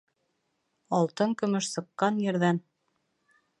Алтын-көмөш сыҡҡан ерҙән